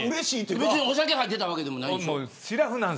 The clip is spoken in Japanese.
別にお酒入ってたわけでもないんでしょ。